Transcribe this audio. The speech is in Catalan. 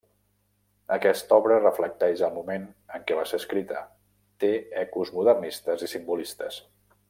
Aquesta obra reflecteix el moment en què va ser escrita, té ecos modernistes i simbolistes.